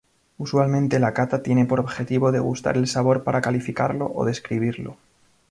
Usualmente la cata tiene por objetivo degustar el sabor para calificarlo o describirlo.